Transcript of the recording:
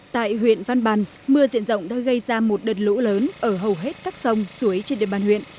tại huyện văn bàn mưa diện rộng đã gây ra một đợt lũ lớn ở hầu hết các sông suối trên địa bàn huyện